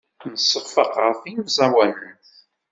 Nseffeq ɣef yemẓawanen.